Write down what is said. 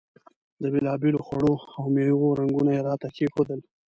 د بېلابېلو خوړو او میوو رنګونه یې راته کېښودل.